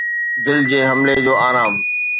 دل جي حملي جو آرام